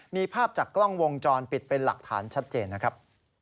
มีภาพจากกล้องวงจรปิดเป็นหลักฐานชัดเจนนะครับ